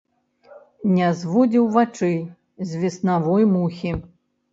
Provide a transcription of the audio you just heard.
Не зводзіў вачэй з веснавой мухі.